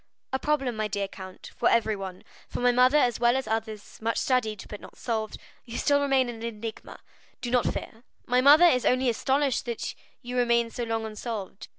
"A problem, my dear count, for everyone—for my mother as well as others; much studied, but not solved, you still remain an enigma, do not fear. My mother is only astonished that you remain so long unsolved.